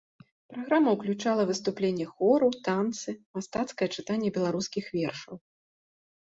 Праграма ўключала выступленне хору, танцы, мастацкае чытанне беларускіх вершаў.